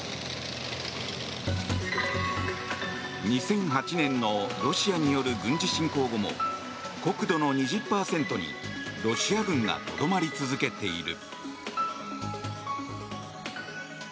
２００８年のロシアによる軍事侵攻後も国土の２０％にロシア軍がとどまり続けている。